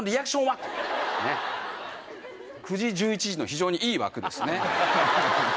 ９時１１時の非常にいい枠ですね。